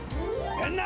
みんな！